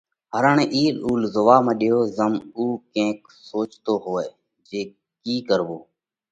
هرڻ اِيل اُول زوئا مڏيو، زم اُو ڪينڪ سوچتو هوئہ جي ڪِي ڪروو